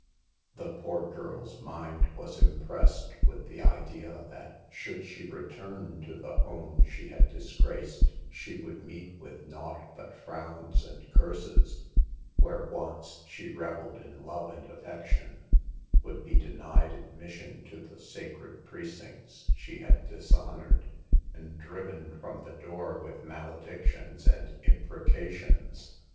The poor girl's mind was impressed with the idea that should she return to the home she had disgraced, she would meet with naught but frowns and curses, where once she revelled in love and affection ; would be denied admission to the sacred precincts she had dishonored, and driven from the door with maledictions and imprecations.